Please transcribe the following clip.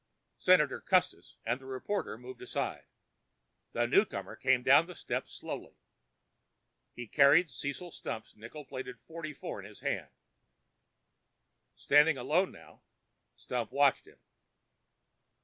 Senator Custis and the reporter moved aside. The newcomer came down the steps slowly. He carried Cecil Stump's nickel plated .44 in his hand. Standing alone now, Stump watched him.